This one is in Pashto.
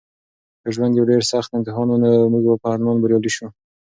که ژوند یو ډېر سخت امتحان وي نو موږ به حتماً بریالي شو.